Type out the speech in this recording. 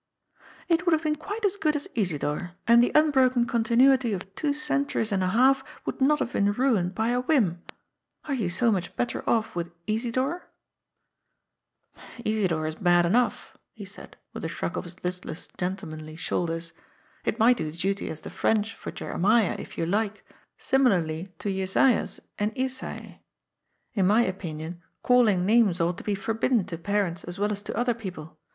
"^^ It would have been quite as good as Isidor, and the unbroken continuity of two centuries and a half would not have been ruined by a whim. Are you so much better off with ' Isidor '?"" Isidor is bad enough," he said with a shrug of his list less, gentlemanly shoulders. ^' It might do duty as the French for Jeremiah if you like, similarly to Jesaias and Isaie. In my opinion, calling names ought to be forbidden to parents as well as to other people.